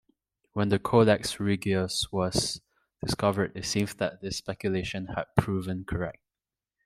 When the Codex Regius was discovered, it seemed that this speculation had proven correct.